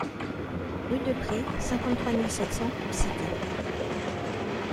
Rue de Prés, cinquante-trois mille sept cents Courcité